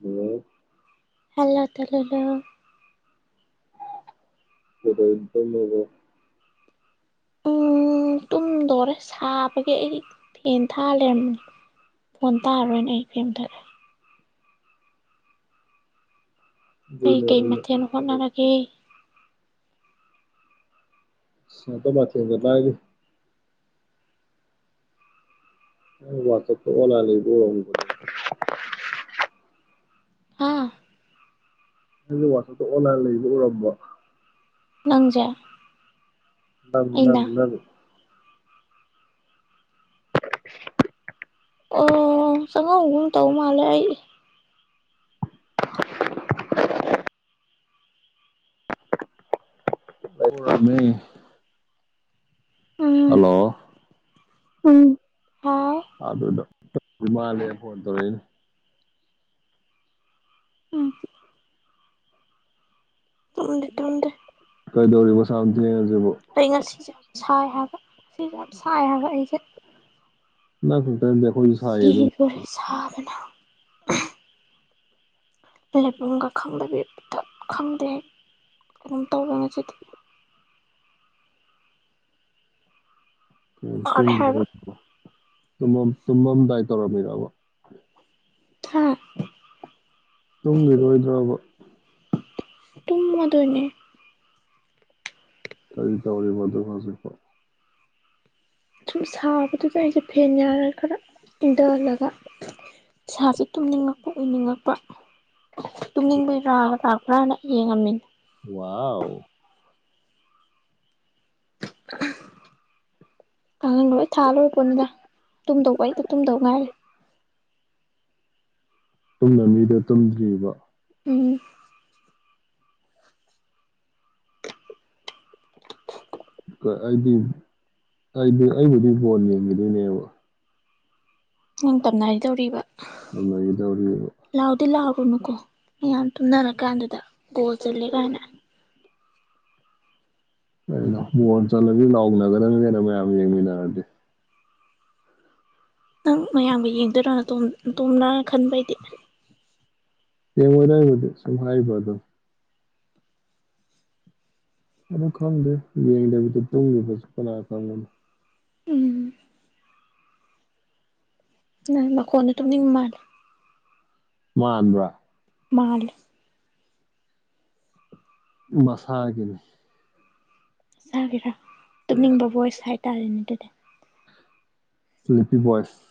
ꯍ ꯍꯜꯂꯥ ꯇꯔꯅ ꯑꯗ ꯏꯇꯣ ꯃꯕ ꯁꯨꯝꯗꯣꯔꯦ ꯁꯥꯕꯒꯤ ꯑꯩ ꯊꯦꯟ ꯊꯥ ꯂꯩꯔꯝꯕ ꯐꯣꯟ ꯇꯥꯔꯣꯏꯅ ꯑꯩ ꯐꯦꯝꯊꯔꯦ ꯀ ꯑꯗꯨꯅꯦ ꯀꯩ ꯑꯩꯅ ꯃꯊꯦꯜ ꯍꯣꯠꯅꯔꯒꯦ ꯁꯇꯤ ꯂꯑꯗꯤ ꯋꯥꯁ ꯋꯥꯂ ꯂꯩꯕ ꯑꯥ ꯅꯒꯤ ꯋꯥꯁꯇ ꯑꯣꯂꯥꯏꯟ ꯂꯩꯕ ꯎꯔꯝꯕ ꯂꯪꯖꯔ ꯅꯪ ꯅꯅꯤ [unintelligible] ꯑꯣ ꯁꯒꯣꯒꯨꯝ ꯇꯧ ꯃꯥꯂ [unintelligible] ꯎ ꯎꯝ ꯑꯗꯗ ꯇ ꯃꯥ ꯂꯩ ꯐꯣꯟ ꯇꯧ ꯎꯝ ꯎ ꯇ ꯎꯗ ꯀꯩꯗꯧꯔꯤꯕꯁꯝ ꯊ ꯑꯩ ꯉꯁꯤ ꯁꯥꯏ ꯍꯥꯏꯕ ꯁꯤꯁꯦ ꯌꯥꯝ ꯁꯥꯏ ꯍꯥꯏꯕ ꯑꯩꯁꯦ ꯈꯨꯝ ꯐꯈꯣꯁꯥꯏ ꯑꯗꯨ ꯁꯅ ꯂꯩꯐꯝꯒ ꯈꯪꯗꯕꯤ ꯈꯪꯗꯦ ꯑꯗꯨꯝ ꯇꯧꯕ ꯉꯁꯤꯗꯤ ꯋꯥꯔꯦ ꯇꯨꯡ ꯍꯥꯏꯕ ꯂꯩꯣ ꯇꯨꯝ ꯇꯨꯝꯃꯝꯗꯥꯏ ꯇꯧꯔꯝꯃꯤꯔꯕ ꯍꯥꯥ ꯇꯨꯡꯈꯤꯔꯣꯏꯗ꯭ꯔꯕ ꯇꯨꯡꯃꯗꯅꯦ ꯇꯔ ꯇꯔꯕꯗ ꯐꯁꯤꯦ ꯄ ꯁꯨꯝ ꯁꯥꯕꯗꯨꯗ ꯑꯩꯁꯦ ꯐꯦꯟ ꯌꯥꯔꯒ ꯈꯔ ꯏꯟꯊꯍꯜꯂꯒꯁꯥꯁꯦ ꯇꯨꯝꯅꯤꯡꯉꯛꯄ ꯎꯅꯤꯡꯉꯛꯄ ꯇꯨꯡꯅꯤꯡꯕꯔꯥꯑꯒ ꯂꯥꯛꯄ꯭ꯔꯥꯅ ꯌꯦꯡꯉꯝꯃꯤꯅ ꯋꯥꯎ ꯀꯥꯡꯉꯪ ꯂ ꯂꯣꯏ ꯊꯥ ꯂꯣꯏꯔ ꯄꯣꯠꯅꯤꯗ ꯇꯨꯝꯗꯧꯕ ꯑꯩꯗ ꯇꯨꯝꯗꯧ ꯉꯥꯏꯔꯦ ꯇꯨꯝꯅ ꯃꯤꯗ ꯇꯨꯝꯗ꯭ꯔꯤꯕ ꯎꯝ [unintelligible] ꯑꯩꯗꯤ ꯑꯩꯗꯤ ꯑꯩꯕꯨꯗꯤ ꯕꯣꯟ ꯌꯦꯡꯈꯤꯗꯣꯏꯅꯦꯕ ꯅꯤꯡꯇꯝꯅ ꯍꯥꯏꯗꯧꯔꯤꯕ ꯅ ꯏꯗꯧꯔꯤ ꯀꯅꯨꯀꯣ ꯑꯩ ꯌꯥꯝ ꯇꯨꯝꯅꯔ ꯀꯥꯟꯗꯨꯗ ꯣꯜꯆꯂꯦ ꯀꯅ ꯀ ꯕꯣꯟ ꯆꯠꯂꯅꯤ ꯂꯥꯎꯅꯒ꯭ꯔꯅꯤ ꯀꯩꯅꯣ ꯃꯌꯥꯝ ꯌꯦꯡꯃꯤꯟꯅꯔꯗꯤ ꯅꯪ ꯃꯌꯥꯝꯕꯨ ꯌꯦꯡꯗꯣꯏꯔ ꯑꯣꯝꯅ ꯈꯟꯕꯩꯗꯤ ꯃ ꯁꯐ ꯍꯥꯏꯕꯗ ꯑꯗꯨ ꯈꯪꯗꯦ ꯌꯦꯡꯗꯕꯗ ꯇꯨꯡꯂꯤꯕꯁꯨ ꯀꯅꯥ ꯈꯪꯒꯅꯤ ꯎ ꯅ ꯀꯣꯟꯠꯇꯅꯤ ꯃꯥꯔ ꯃꯥꯟꯕ꯭ꯔꯥ ꯃꯥꯜ ꯃꯁꯥꯒꯤꯅꯤ ꯆꯔ ꯇꯨꯝꯅꯤꯡꯕ ꯚꯣꯏꯁ ꯍꯥꯏꯇꯥꯔꯦꯅꯦ ꯑꯗꯨꯗꯤ ꯁꯂꯤꯄꯤꯤ ꯣꯏꯁ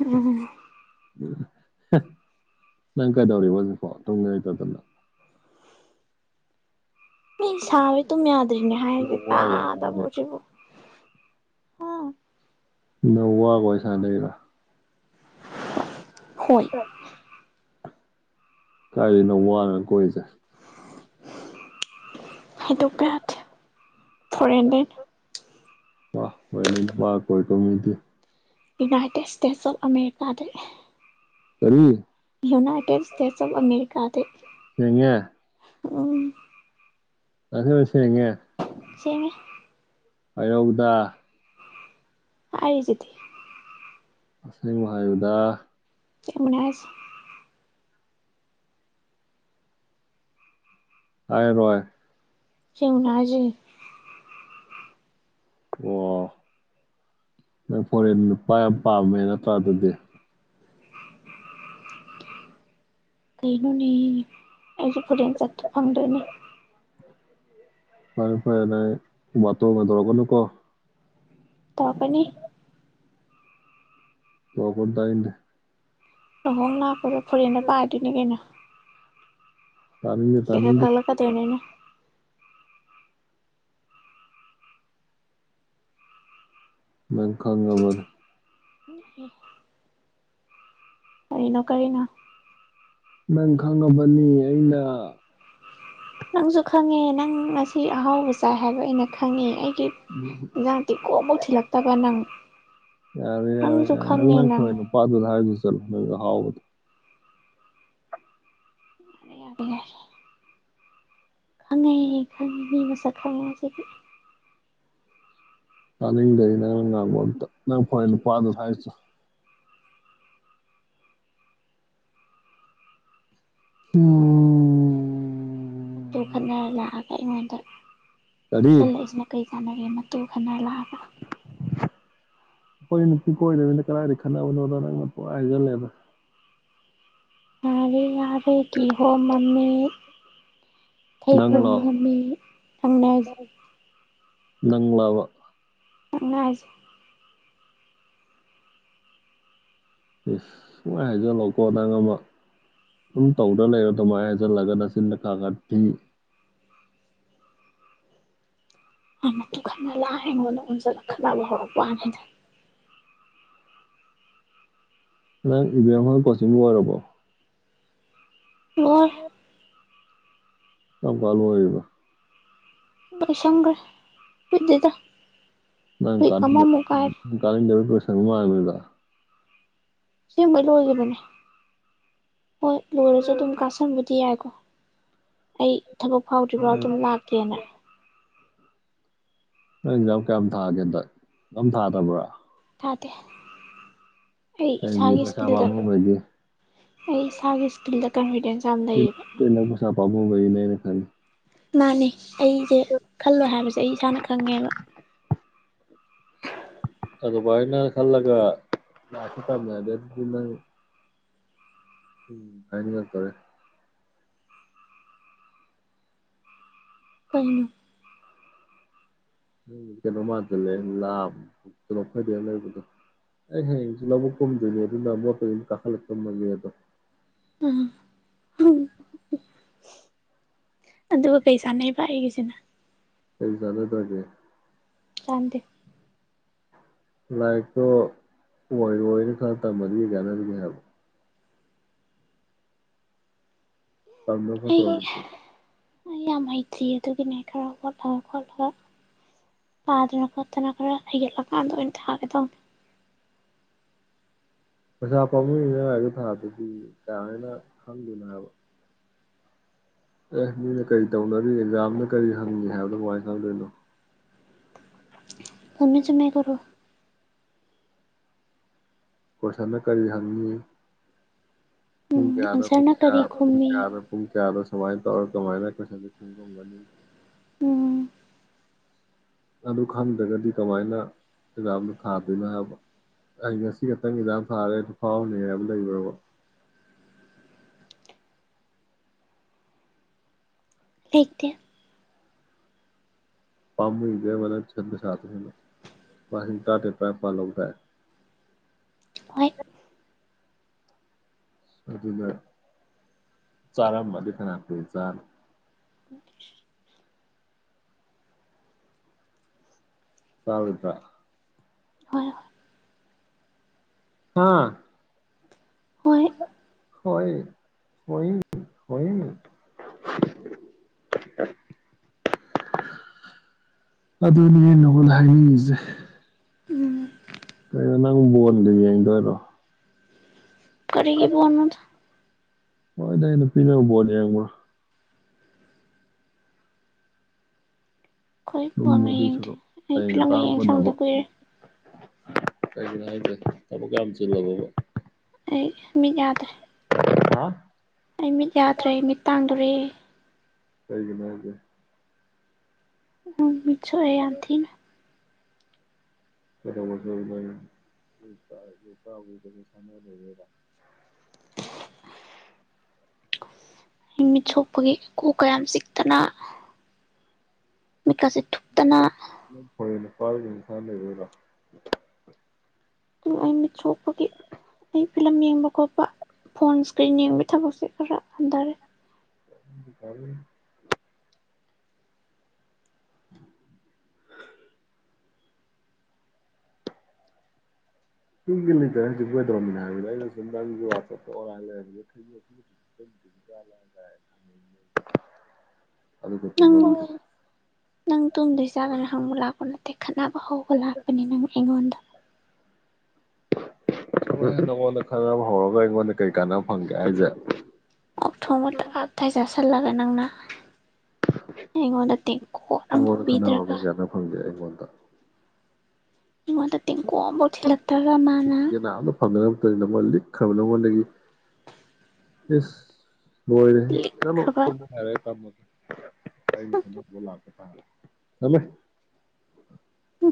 ꯎꯝ ꯅꯪ ꯀꯩꯗꯧꯔꯤꯕ ꯍꯧꯖꯤꯛꯐꯣ ꯇꯨꯡꯗ ꯂꯩꯇꯗꯅ ꯅ ꯁꯕ ꯇ ꯃꯗ ꯑꯗꯨꯔꯤꯅ ꯍꯥꯏꯒ ꯇ ꯅꯋꯥꯒ ꯋꯥꯔꯤ ꯁꯥꯟꯅ ꯂꯩꯔꯣ ꯇꯕꯨꯁꯤꯕꯨ ꯍ ꯅꯧꯋꯥ ꯀꯣꯏꯁ ꯂꯩꯩꯔ ꯍꯣꯏ ꯀꯥꯏꯔꯤꯅ ꯋꯥꯅ ꯀꯣꯏꯁꯦ [unintelligible] ꯍꯇ ꯄꯔꯠ ꯐꯣꯔ ꯍꯦꯟꯗ꯭ꯔꯦꯠ ꯋꯥ ꯑꯣꯏ ꯋꯥ ꯀꯣꯏ ꯇꯃꯤꯗꯤ ꯌꯨꯅꯥꯏꯇꯦꯠ ꯁꯇꯦꯠꯁ ꯑꯣꯐ ꯑ ꯑꯃꯦꯔꯤꯀꯗ ꯀꯔꯤ ꯌꯨꯅꯥꯏꯇꯦꯠ ꯁꯇꯦꯠꯁ ꯑꯣꯐ ꯑꯃꯦꯔꯤꯀꯥꯗ ꯁꯤꯉ ꯎꯝ ꯑꯗꯨ ꯁꯦꯡꯉꯦ ꯁꯁꯦꯉꯦ ꯍꯥꯏꯔꯛꯎꯗ ꯍꯥꯏꯔꯤꯖꯤꯗꯤ ꯑꯁꯦꯡꯕ ꯍꯥꯏꯌꯨꯗ ꯑꯁꯦꯡꯕꯅꯦ ꯍꯥꯏꯁꯤ ꯍꯥꯏꯔꯣꯏ ꯁꯦꯡꯕꯅꯦ ꯍꯥꯌꯖꯦ ꯑꯣ ꯅꯪ ꯐꯣꯔꯦꯟ ꯅꯨꯄꯥ ꯌꯥꯝ ꯄꯥꯝꯃꯦ ꯅꯠꯇ꯭ꯔꯥ ꯑꯗꯨꯗꯤ ꯀꯩꯅꯣꯅꯦ ꯑꯩꯁꯨ ꯐꯣꯔꯦꯟ ꯆꯠꯇ ꯐꯪꯗ꯭ꯔꯣꯏꯅꯤ ꯐꯔꯦ ꯐꯔꯦ ꯅꯪ ꯕꯥꯇꯣꯟ ꯒꯥ ꯇꯧꯔꯛꯀꯅꯨꯀꯣ ꯇꯧꯔꯛꯀꯥꯅꯤ ꯇꯧꯔꯛꯀꯅꯨ ꯇꯅꯤꯡꯗꯦ ꯂꯨꯍꯣꯡ ꯂꯛꯄꯗꯥ ꯐꯣꯔꯦꯟꯗ ꯄꯥꯏꯗꯣꯏꯅꯤ ꯀꯩꯅꯣ ꯇꯥꯅꯤꯡꯗꯦ ꯊꯀꯦꯠ ꯀ ꯇꯥꯅꯤꯡꯗꯦ ꯀꯛꯂꯛꯀꯗꯣꯏꯅꯦ ꯑꯩꯅꯥ ꯅꯪ ꯈꯪꯉꯥꯕꯅꯦ ꯎ ꯀꯔꯤꯅꯣ ꯀꯔꯤꯅꯣ ꯅꯪ ꯈꯪꯉꯕꯅꯤ ꯑꯩꯅ ꯅꯪꯁꯨ ꯈꯪꯉꯦ ꯅꯪ ꯉꯁꯤ ꯑꯍꯥꯎꯕ ꯆꯥꯏ ꯍꯥꯏꯕ ꯑꯩꯅ ꯈꯪꯉꯦ ꯑꯩ ꯑꯦꯟꯖꯡ ꯇꯤꯡꯀꯣꯠ ꯑꯝꯐꯧ ꯊꯤꯜꯂꯛꯇꯕ ꯅꯪ ꯌꯥꯔꯦ ꯅꯪꯁꯨ ꯈꯪꯉꯦ ꯅꯪ ꯆꯠꯂꯨ ꯑꯍꯎꯕꯗꯣ [unintelligible] ꯈꯪꯉꯦ ꯈꯪꯉꯦ [unintelligible] ꯈꯪꯉꯦ ꯉꯥꯁꯤꯗꯤ ꯇꯥꯅꯤꯡꯗꯦ ꯅꯪ ꯅꯪ ꯐꯣꯏ ꯄꯗ ꯍꯥꯏꯥꯏ [unintelligible] ꯃꯇꯨ ꯈꯠꯅꯔ ꯂꯥꯛꯑꯒ ꯑꯩꯉꯣꯟꯗ ꯀꯔꯤ ꯁꯜꯂꯛꯏꯁꯤꯅ ꯀꯔꯤ ꯀꯥꯟꯅꯔꯤꯅ ꯅꯥꯇꯨ ꯈꯠꯅꯔꯥ ꯂꯥꯛ ꯑꯩꯈꯣꯏ ꯅꯨꯄꯤ ꯀꯣꯏꯗꯕꯅꯤꯅ ꯀꯥꯏꯗꯩꯩ ꯈꯠꯅꯕꯅꯣꯗ ꯅꯪꯅ ꯄꯪꯍꯥꯏ ꯍꯥꯏꯖꯜꯂꯦꯗꯥ ꯌꯥꯔꯦ ꯌꯥꯔꯦ ꯀꯤꯍꯣꯝ ꯃꯃꯤꯠ ꯊꯩꯕꯣꯡ ꯅꯪꯂꯣ ꯃꯥꯃꯤꯠ ꯈꯪꯅꯔꯁꯤ ꯅꯪꯂꯕ ꯅꯪꯅꯦ ꯍꯥꯌꯁꯤ ꯏꯁ ꯄꯨꯡꯍꯥꯏ ꯍꯥꯏꯖꯜꯂꯣꯀꯣ ꯅꯪ ꯑꯃ ꯑꯗꯨꯝ ꯇꯧꯗꯅ ꯂꯩꯔ ꯑꯗꯨꯃꯥꯏꯅ ꯍꯥꯏꯖꯤꯜꯂꯒ ꯅꯆꯤꯟꯗ ꯈꯥ ꯈꯔ ꯊꯤ ꯃꯥꯏ ꯃꯇꯨ ꯀꯥꯏꯅꯔꯥ ꯂꯛ ꯑꯩꯉꯣꯟꯗꯥ ꯑꯣꯟꯖꯜꯂꯥ ꯈꯠꯅꯕꯥ ꯍꯧ ꯄꯅꯤꯗ ꯏꯕꯤ ꯍ ꯄꯤꯡꯝꯕꯒ ꯔꯔꯕꯣ ꯚꯣꯔ ꯆꯝ ꯀꯜ ꯑꯣꯏ ꯑꯣꯏꯔꯤꯕ ꯩꯁꯪ꯭ꯔ ꯖꯗꯕ ꯅꯪ ꯀ ꯀ ꯁꯪꯃꯥꯟ ꯃꯒ ꯁꯤꯕ ꯂ ꯑꯣꯏꯖꯕꯅꯦ ꯍꯣꯏ ꯂꯣꯏꯔꯁꯨ ꯑꯗꯨꯝ ꯀꯥꯁꯟꯕ ꯌꯥꯔꯀꯣ ꯑꯩ ꯊꯕꯛ ꯐꯥꯎꯗ꯭ꯔꯤꯕꯥ ꯅꯪ ꯑꯗꯨꯝ ꯂꯥꯛꯀꯦꯅ ꯅꯪ ꯑꯦꯖꯥꯝ ꯀꯌꯥꯝ ꯊꯥꯒꯦ ꯍꯟꯗꯛ ꯌꯥꯝ ꯊꯥꯗꯕ꯭ꯔꯥ ꯌꯥꯗꯦ ꯀꯒꯤ ꯄꯁꯥꯕ ꯃꯕꯒꯤ ꯁꯒꯤ ꯁ꯭ꯀꯤꯜ ꯗꯀꯔꯗꯅ ꯑꯧꯅ ꯅꯪ ꯄꯩꯁꯥ ꯄꯥꯃꯨꯕꯩꯅ‌ꯦ ꯈ [unintelligible] ꯃꯥꯅꯦ ꯑꯩꯁꯦ ꯈꯜꯂꯣꯏ ꯍꯥꯏꯕꯁꯦ ꯑꯩ ꯏꯁꯥꯅ ꯈꯪꯉꯦꯕ ꯑꯗꯨ ꯃꯥꯏꯅ ꯈꯜꯂꯒ ꯂꯥꯛꯈꯤ ꯇꯝꯃꯦ ꯑꯗꯨꯗꯗꯤ ꯅꯪ ꯎꯝ ꯍꯥꯏꯅꯤꯉꯛꯇ‌ꯣꯔꯦ ꯨꯀꯩꯅ‌ꯣ ꯀꯩꯅꯣ ꯃꯥꯟꯁꯤꯜꯂꯦ ꯂ ꯀꯩꯅꯣ ꯐꯗ ꯂꯩꯕꯗꯣ ꯑꯩ ꯍꯌꯦꯡꯁꯨ ꯂꯧꯕꯨꯛ ꯀꯨꯝꯗꯣꯏꯅꯦ ꯑꯗꯨꯅ ꯃꯣꯠꯇ ꯀꯥꯈꯠꯂ ꯇꯨꯝꯃꯅꯤ ꯑꯗꯣ ꯎꯝ ꯑꯗꯨꯒ ꯀꯩ ꯆꯥꯟꯅꯩꯕ ꯑꯩꯒꯤꯁꯤꯅ ꯐ ꯆꯗꯗꯒꯦ [unintelligible] ꯀꯥꯟꯗ‌ꯦ ꯂꯥꯏꯔꯤꯛꯇꯣ ꯑꯣꯏꯔ‌ꯣꯏꯅ ꯈꯜꯂ ꯇꯝꯃꯗꯤꯗꯤ ꯀꯩ ꯀꯥꯟꯅꯔꯤꯒꯦ ꯍꯥꯏꯕ ꯇꯝꯕ [unintelligible] ꯑꯩ ꯑꯣꯏ ꯑꯩ ꯌꯥꯝ ꯍꯩꯇ꯭ꯔꯤ ꯑꯗꯨꯒꯤꯅꯦ ꯈꯔ ꯍꯣꯠꯂ ꯈꯣꯠꯂ ꯄꯥꯗꯅ ꯇꯅꯥ ꯈꯔ ꯍꯩꯒꯠꯂꯀꯥꯟꯗ ꯑꯣꯏꯅ ꯊꯥꯒ‌ꯦ ꯇꯧꯅ‌ꯦ ꯄꯩꯁꯥ ꯄꯥꯃꯨꯏꯅꯤꯅ ꯍꯥꯏꯒꯤ ꯊꯥꯗꯔꯗꯤ ꯀꯃꯥꯏꯅ ꯈꯪꯗꯣꯏꯅꯣ ꯍꯥꯏꯕ ꯑꯦ ꯃꯤꯅ ꯀꯔꯤ ꯇꯧꯅꯔꯤ ꯑꯦꯛꯖꯥꯝꯅ ꯀꯔꯤ ꯍꯪꯉꯤ ꯍꯥꯏꯕꯗꯣ ꯀꯃꯥꯏꯅ ꯈꯪꯗꯣꯏꯅꯣ ꯆꯨꯝꯃ‌ꯦ ꯆꯨꯝꯃ‌ꯦ ꯗꯨꯕꯨ ꯀꯣꯏꯁꯟꯗ ꯀꯔꯤ ꯍꯪꯉꯤ ꯄꯨꯡ ꯎꯝ ꯀꯌꯥꯗꯣ ꯄꯨꯡ ꯑꯟꯁꯔꯅ ꯀꯌꯥ ꯀꯔꯤ ꯄꯨꯡ ꯈꯨꯝꯃꯤ ꯀꯌꯥꯗ ꯐꯨꯡ ꯀꯌꯥꯗ ꯀꯃꯥꯏꯅ ꯇꯧꯔꯒ ꯀꯃꯥꯏꯅ ꯀ‌ꯣꯏꯁꯟꯁꯤ ꯈꯨꯝꯒꯅꯤ ꯎꯝ ꯑꯗꯨ ꯈꯪꯗ꯭ꯔꯒꯗꯤ ꯀꯃꯥꯏꯅ ꯑꯦꯛꯖꯥꯝꯗꯣ ꯊꯥꯗꯣꯏꯅꯣ ꯍꯥꯏꯕ ꯑꯩ ꯉꯁꯤ ꯈꯛꯇꯪ ꯑꯦꯛꯖꯥꯝ ꯊꯥꯔꯦ ꯑꯗꯨ ꯐꯥꯎꯔꯅꯤ ꯍꯥꯏꯕ ꯂꯩꯕ꯭ꯔꯕ ꯂꯩꯇ‌ꯦ ꯄꯥꯝꯃꯨꯗꯔꯕ ꯅꯪ ꯇꯨꯏꯁꯟ ꯄꯩꯁꯥꯗꯨꯅ ꯍ‌ꯦꯟꯅ ꯂꯤꯁꯤꯡ ꯇꯔꯥꯇꯔ‌ꯦꯠ ꯇꯔꯥꯅꯤꯄꯥꯟ ꯂꯧꯗꯥꯏ ꯍ‌ꯣꯏ ꯑꯗꯨꯅ ꯆꯥꯔꯝꯕꯅ ꯐꯅꯌꯝ ꯆꯥꯅꯤ ꯆꯥꯔ‌ꯣꯏꯇ꯭ꯔ ꯍꯣꯏ ꯍꯥꯥ ꯍꯣꯏ ꯍ‌ꯣꯏ ꯍ‌ꯣꯏ ꯍ‌ꯣꯏ [unintelligible] ꯑꯗꯨꯅꯤ ꯑꯩꯅ ꯅꯪꯉ‌ꯣꯟꯗ ꯍꯥꯏꯅꯤꯡꯉꯤꯁꯤ ꯎꯝ ꯀꯩꯅꯣ ꯅꯪ ꯕꯣꯟꯗ ꯌꯦꯡꯗꯣꯏꯔꯣ ꯀꯔꯤꯒꯤ ꯕ‌ꯣꯟꯅꯣꯗ ꯍ‌ꯣꯏꯗ ꯅꯨꯄꯤꯅꯕꯨ ꯕ‌ꯣꯜ ꯌ‌ꯦꯡꯕꯔ ꯍꯣꯏ ꯐ‌ꯣꯟꯒ ꯇꯨꯝꯕꯗꯨꯏ ꯌꯦꯡꯗ‌ꯦ ꯁꯔꯨꯛ ꯑꯩ ꯑꯌꯨꯛ ꯉꯟꯇꯥ ꯐꯤꯂꯝꯒ ꯌꯦꯡ ꯍꯧꯒꯠꯅꯕ ꯁꯪꯗ‌ꯦ ꯀꯨꯏꯔꯦ ꯀꯩꯒꯤꯅꯣ ꯍꯥꯏꯗꯦ ꯊꯕꯛꯀ ꯌꯥꯝ ꯆꯤꯜꯂꯕ‌ꯣꯕ ꯑꯩ ꯃꯤꯠ ꯌꯥꯗ꯭ꯔꯦ ꯍꯥ ꯑꯩ ꯃꯤꯠ ꯌꯥꯗ꯭ꯔꯦ ꯃꯤꯠ ꯇꯥꯡꯗꯣꯔꯦ ꯀꯩꯒꯤꯅ ꯍꯥꯏꯦ ꯎꯝ ꯆꯑꯟ ꯊ ꯩꯅ ꯂꯩ ꯃꯤꯠ ꯁꯣꯛꯄꯒꯤ ꯏꯀꯨ ꯀꯌꯥꯝ ꯆꯤꯛꯇꯅ ꯃꯈꯀꯁꯤꯦ ꯊꯨꯞꯇꯅ ꯄꯁ ꯂꯩꯗ ꯑꯩ ꯃꯤꯠ ꯁꯣꯛꯄꯒꯤ ꯑꯩ ꯐꯤꯂꯝ ꯌꯦꯡꯕ ꯈꯣꯠꯄ ꯐꯣꯟ ꯏꯁꯀ꯭ꯔꯤꯟ ꯌꯦꯡꯕꯒꯤ ꯊꯕꯛꯁꯦ ꯈꯔ ꯍꯟꯊꯔꯦ ꯀ [unintelligible] ꯒꯤꯇ ꯍꯧꯖꯤ ꯑꯣꯏꯗꯧꯅꯤꯅ ꯍꯥꯏꯕꯗ ꯑꯩꯅ ꯁ ꯅꯪ ꯅꯪ ꯇꯣꯗꯩ ꯆꯥꯒꯅꯤ ꯍꯪꯕ ꯂꯥꯛꯄꯅꯦ ꯗ ꯈꯅꯅꯕ ꯍꯧ ꯑꯣꯂꯥꯛꯞꯄꯅꯤꯅꯪ ꯑꯩꯉꯣꯟꯗ ꯍ ꯅꯪꯉꯣꯟꯗ ꯈꯟꯅꯕ ꯍꯧꯔꯒ ꯑꯩꯉꯣꯟꯗ ꯀꯩ ꯀꯥꯟꯅꯕ ꯐꯪꯒꯦ ꯍꯥꯏꯁꯦ ꯆꯜ ꯂꯒ ꯑꯪꯅ ꯑꯩꯉꯣꯟꯗ ꯇꯦꯡꯀꯣꯠ ꯑꯃꯐꯥꯎ ꯄꯤꯗ꯭ꯔꯒ ꯣꯗ ꯏꯉꯗ ꯇꯦꯡ ꯀꯣꯃ ꯊꯤ ꯇꯥ ꯃꯥꯅ ꯐꯪꯅ ꯃꯇꯝꯗꯤ ꯅꯉꯣꯟꯗ ꯂꯤꯛꯈ꯭ꯔꯕ ꯅꯉꯣꯟꯗꯒꯤ ꯏ ꯍꯣꯏꯔ ꯂꯤꯛꯈ꯭ꯔꯕ ꯌꯥꯝꯔꯦ ꯇꯃ ꯀ ꯊꯗ ꯣꯂꯒ ꯀꯃꯦꯃꯦ ꯇ